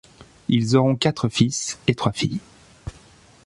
Ils auront quatre fils et trois filles.